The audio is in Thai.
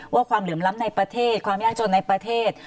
ความเหลื่อมล้ำในประเทศความยากจนในประเทศ